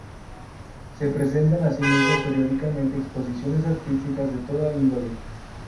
Se presentan así mismo periódicamente exposiciones artísticas de toda índole.